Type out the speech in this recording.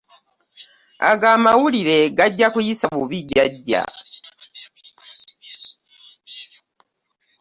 Ago amawulire gagya guyisa bubi jjajja.